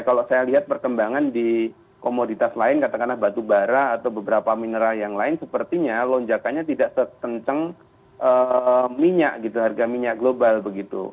kalau saya lihat perkembangan di komoditas lain katakanlah batu bara atau beberapa mineral yang lain sepertinya lonjakannya tidak setenceng minyak gitu harga minyak global begitu